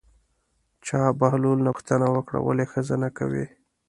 چا بهلول نه پوښتنه وکړه ولې ښځه نه کوې.